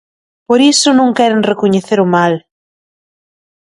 Por iso non queren recoñecer o mal.